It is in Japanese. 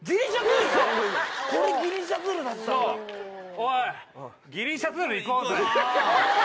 おいギリンシャズール行こうぜ。